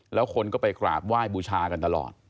แล้วคนก็ไปกราบไหว้บูชากันตลอด